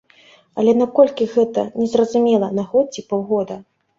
Але на колькі гэта, незразумела, на год ці паўгода.